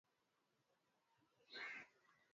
Mikoa ya Kagera na Mwanza upande wa Magharibi